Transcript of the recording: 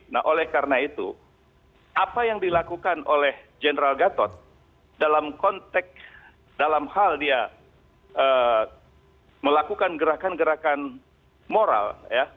nah oleh karena itu apa yang dilakukan oleh general gatot dalam konteks dalam hal dia melakukan gerakan gerakan moral ya